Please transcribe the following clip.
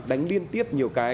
đánh liên tiếp nhiều cái